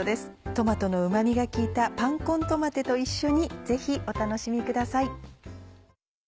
トマトのうま味が効いたパンコントマテと一緒にぜひお楽しみください。